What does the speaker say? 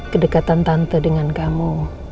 kedekatan tante dengan kamu